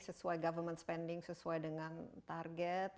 sesuai spending pemerintah sesuai dengan target